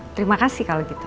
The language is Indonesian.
terima kasih kalau gitu